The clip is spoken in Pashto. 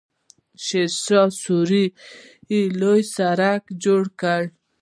شیرشاه سوري لوی سړک جوړ کړ.